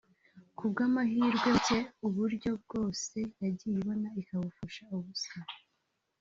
ku bw’amahirwe make uburyo bwose yagiye ibona ikabupfusha ubusa